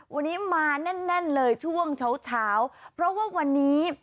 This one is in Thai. วันนี้มาแน่นเลยช่วงเช้าเช้าเพราะว่าวันนี้